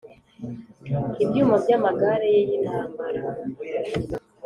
ibyuma by’amagare ye y’intambara